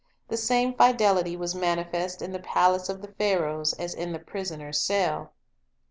. The same fidelity was manifest in the palace of the Pharaohs as in the prisoner's cell.